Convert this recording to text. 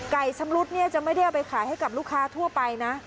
ชำรุดเนี่ยจะไม่ได้เอาไปขายให้กับลูกค้าทั่วไปนะ